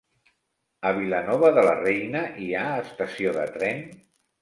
A Vilanova de la Reina hi ha estació de tren?